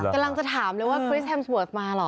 กำลังจะถามเลยว่าคริสแฮมสเวิร์สมาเหรอ